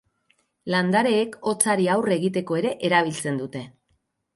Landareek hotzari aurre egiteko ere erabiltzen dute.